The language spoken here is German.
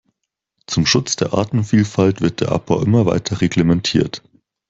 Zum Schutz der Artenvielfalt wird der Abbau immer weiter reglementiert.